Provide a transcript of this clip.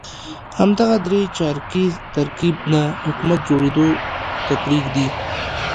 همدغه درې چارکیز ترکیب نه حکومت جوړېدو ته پرېږدي.